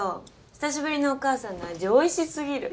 久しぶりのお母さんの味おいしすぎる。